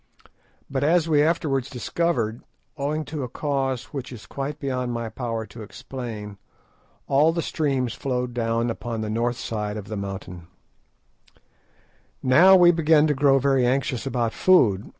But as we afterwards discovered, owing to a cause which it is quite beyond my power to explain, all the streams flowed down upon the north side of the mountains. Now we began to grow very anxious about food.